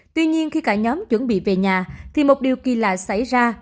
tuy nhiên khi cả nhóm chuẩn bị về nhà thì một điều kỳ lạ xảy ra